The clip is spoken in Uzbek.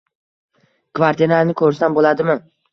Kvartirani ko’rsam bo’ladimi?